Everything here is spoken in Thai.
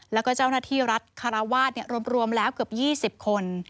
แล้วก็เจ้าหน้าที่รัฐคาราวาสรวมแล้วเกือบ๒๐คน